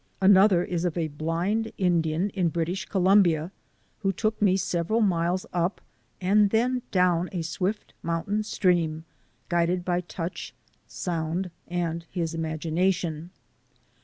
Another is of a blind Indian in British Columbia who took me several miles up and then down a swift mountain stream, guided by touch, sound, and his imagination.